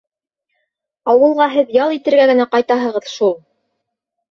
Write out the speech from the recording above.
— Ауылға һеҙ ял итергә генә ҡайтаһығыҙ шул.